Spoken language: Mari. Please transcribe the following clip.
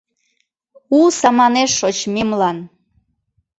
У саманеш шочмемлан